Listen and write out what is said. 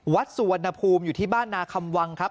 สุวรรณภูมิอยู่ที่บ้านนาคำวังครับ